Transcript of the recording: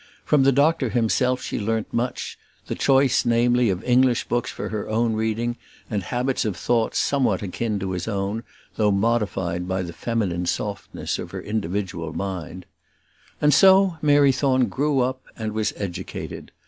From the doctor himself she learnt much; the choice, namely, of English books for her own reading, and habits of thought somewhat akin to his own, though modified by the feminine softness of her individual mind. And so Mary Thorne grew up and was educated.